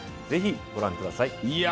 ぜひ、ご覧ください。